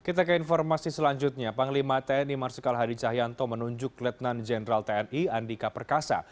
kita ke informasi selanjutnya panglima tni marsikal hadi cahyanto menunjuk letnan jenderal tni andika perkasa